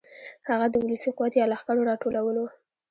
هغه د ولسي قوت یا لښکرو راټولول و.